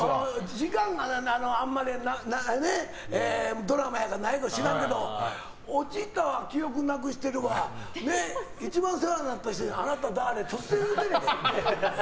時間があんまりドラマやから長いのか知らんけど落ちたは、記憶なくしてるは一番世話になった人あなた誰？って言ってるやんか。